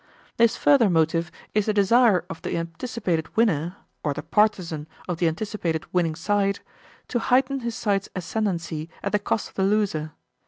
This further motive is the desire of the anticipated winner, or the partisan of the anticipated winning side, to heighten his side's ascendency at the cost of the loser.